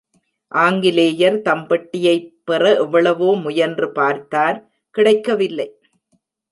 ஆங்கிலேயர் தம் பெட்டியைப் பெற எவ்வளவோ முயன்று பார்த்தார் கிடைக்கவில்லை.